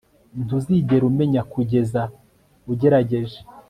Ntuzigera umenya kugeza ugerageje